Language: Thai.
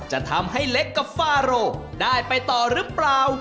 จะทำให้เล็กกับฟาโรได้ไปต่อหรือเปล่า